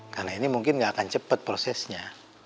karena ini mungkin nggak akan cepat prosesnya